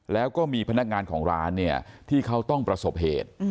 แล้วก็มีพนักงานของร้านเนี่ยที่เขาต้องประสบเหตุ